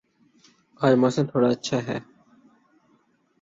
آج موسم تھوڑا اچھا ہے